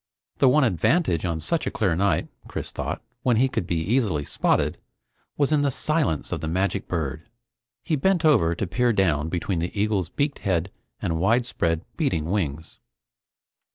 The one advantage on such a clear night, Chris thought, when he could be easily spotted, was in the silence of the magic bird. He bent over to peer down between the eagle's beaked head and widespread, beating wings.